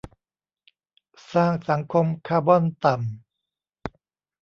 สร้างสังคมคาร์บอนต่ำ